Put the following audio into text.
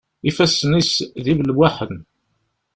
Ifassen-is d ibelwaḥen.